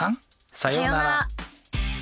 さようなら。